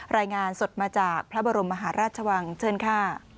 รายงานสดมาจากพระบรมมหาราชวังเชิญค่ะ